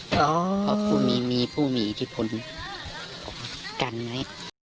เพราะผู้มีมีผู้มีที่ผลกันไง